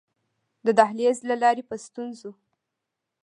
د دهلېز له لارې په ستونزو.